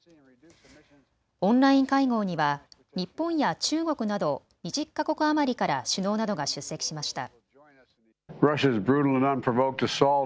オンライン会合には日本や中国など２０か国余りから首脳などが出席しました。